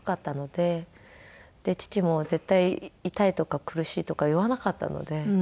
で父も絶対痛いとか苦しいとか言わなかったので。